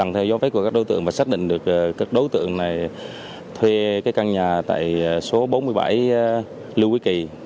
lần theo dõi phép của các đối tượng và xác định được các đối tượng này thuê căn nhà tại số bốn mươi bảy lưu quý kỳ